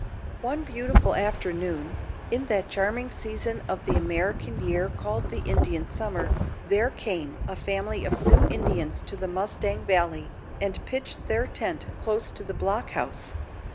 One beautiful afternoon, in that charming season of the American year called the Indian summer, there came a family of Sioux Indians to the Mustang Valley, and pitched their tent close to the block house.